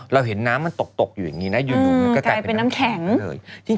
เราเห็นน้ำมันตกอยู่อย่างนี้ยุ่นหลุมก็กลายเป็นน้ำแข็ง